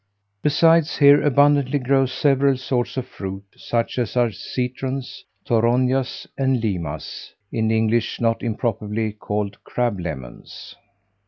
Besides here abundantly grow several sorts of fruit, such are citrons, toronjas, and limas; in English not improperly called crab lemons.